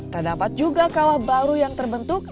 terdapat juga kawah baru yang terbentuk